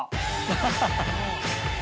アハハハ。